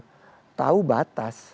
kita harus betul betul tahu batas